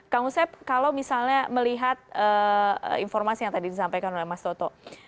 kang usep kalau misalnya melihat informasi yang tadi disampaikan oleh mas toto